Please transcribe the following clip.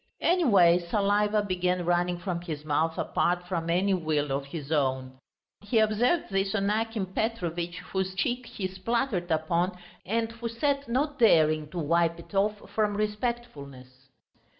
Anyway saliva began running from his mouth apart from any will of his own. He observed this on Akim Petrovitch, whose cheek he spluttered upon and who sat not daring to wipe it off from respectfulness.